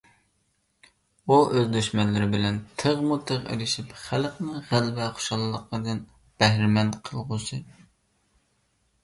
ئۇ ئۆز دۈشمەنلىرى بىلەن تىغمۇتىغ ئېلىشىپ، خەلقنى غەلىبە خۇشاللىقىدىن بەھرىمەن قىلغۇسى.